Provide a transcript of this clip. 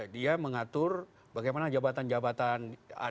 dia mengatur bagaimana jabatan jabatan